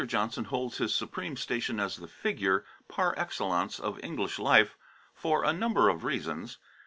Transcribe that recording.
Johnson holds his supreme station as the "figure" par excellence of English life for a number of reasons.